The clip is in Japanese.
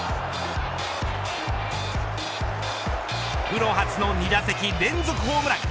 プロ初の２打席連続ホームラン。